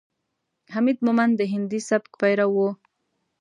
حمید مومند د هندي سبک پیرو ؤ.